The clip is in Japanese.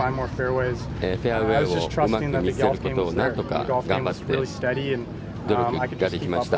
フェアウェーにうまく乗せることを何とか頑張って努力ができました。